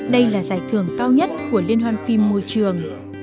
đây là giải thưởng cao nhất của liên hoan phim môi trường